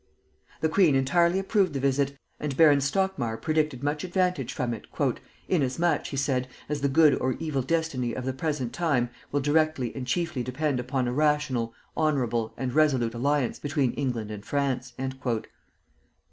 The queen entirely approved the visit, and Baron Stockmar predicted much advantage from it, "inasmuch," he said, "as the good or evil destiny of the present time will directly and chiefly depend upon a rational, honorable, and resolute alliance between England and France."